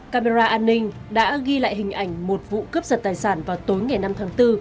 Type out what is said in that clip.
camera an ninh đã ghi lại hình ảnh một vụ cướp giật tài sản vào tối ngày năm tháng bốn